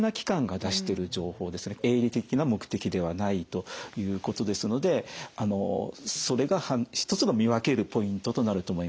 営利的な目的ではないということですのでそれが一つの見分けるポイントとなると思います。